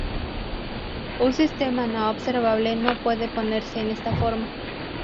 Un sistema no observable no puede ponerse en esta forma.